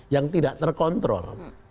yang tidak terkontrol